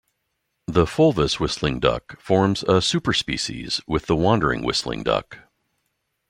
The fulvous whistling duck forms a superspecies with the wandering whistling duck.